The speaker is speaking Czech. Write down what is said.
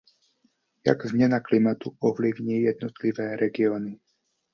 Jak změna klimatu ovlivní jednotlivé regiony?